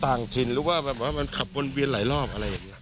ต่างถิ่นหรือว่าแบบว่ามันขับวนเวียนหลายรอบอะไรอย่างนี้